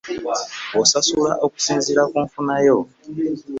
Osasula okusinziira ku nfuna yo.